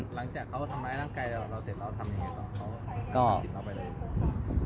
หลังจากเขาทำร้ายร่างกายแล้วเราเสร็จแล้วทำยังไงต่อเขาติดต่อไปเลย